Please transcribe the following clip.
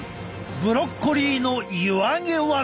ブロッコリーの湯揚げワザだ！